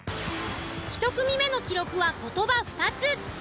１組目の記録は言葉２つ。